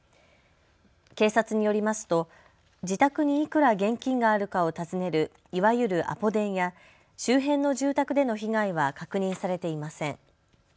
警察によりますと自宅にいくら現金があるかを尋ねるいわゆるアポ電や周辺の住宅での被害は確認されていません。